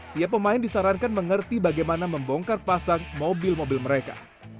tiap pemain disarankan mengerti bagaimana membongkar pasang mobil mobil mereka